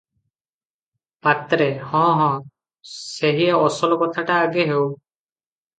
ପାତ୍ରେ- ହଁ ହଁ, ସେହି ଅସଲ କଥାଟା ଆଗେ ହେଉ ।